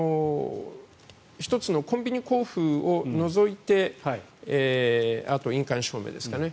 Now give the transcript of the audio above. １つの、コンビニ交付を除いてあと、印鑑証明ですかね。